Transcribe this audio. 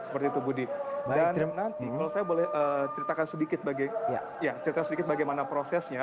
dan nanti kalau saya boleh ceritakan sedikit bagaimana prosesnya